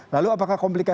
lalu apakah komplikasi